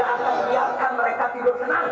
kami tidak akan biarkan mereka tidur senang